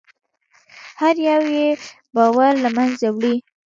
هر یو یې باور له منځه وړي.